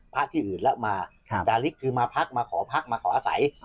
พระที่อื่นแล้วมาจาริกคือมาพักมาขอพักมาขออาศัย